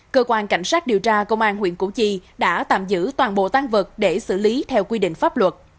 cơ quan cảnh sát điều tra công an huyện củ chi đã tạm giữ toàn bộ tan vật để xử lý theo quy định pháp luật